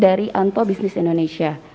dari anto bisnis indonesia